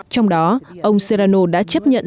trong đó ông serrano đã chấp nhận